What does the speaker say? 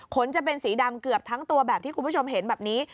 จะเป็นสีดำเกือบทั้งตัวแบบที่คุณผู้ชมเห็นแบบนี้